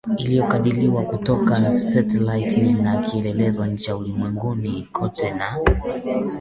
iliyokadiriwa kutoka setilaiti na kielelezo cha ulimwenguni Kote na